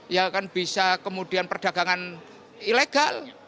ya kan bisa kemudian perdagangan ilegal